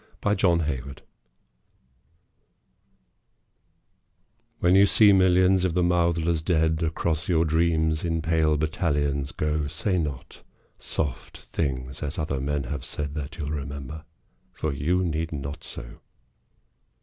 XCI The Army of Death WHEN you see millions of the mouthless dead Across your dreams in pale battalions go, Say not soft things as other men have said, That you'll remember. For you need not so.